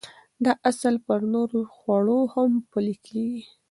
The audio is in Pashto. دا اصل پر نورو خوړو هم پلي کېږي.